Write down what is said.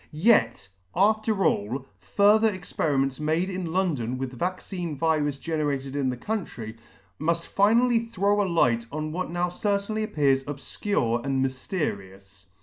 Yet, after all, further experiments made in London with vaccine virus generated in the country, muft finally throw a light on what now certainly appears obfcure and myfterious.